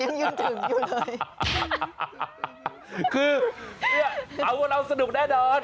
คือขายังยืนถึงอยู่เลยคือเอาว่าเราสนุกแน่นอน